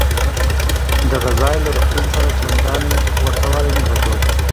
دغه ځای له روغتون سره چندانې ورته والی نه درلود.